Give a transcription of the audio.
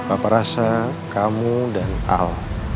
apa rasa kamu dan al